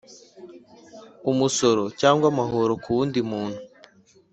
Umusoro cyangwa amahoro ku wundi muntu